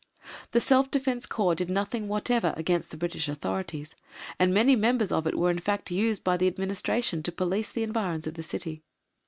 The Self Defence Corps did nothing whatever against the British Authorities, and many members of it were in fact used by the Administration to police the environs of the City.